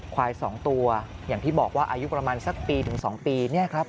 ควาย๒ตัวอย่างที่บอกว่าอายุประมาณสักปี๒ปี